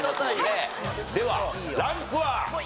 ではランクは？